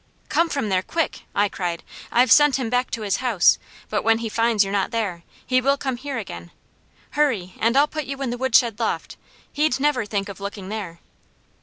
"Come from there, quick!" I cried. "I've sent him back to his house, but when he finds you're not there, he will come here again. Hurry, and I'll put you in the woodshed loft. He'd never think of looking there."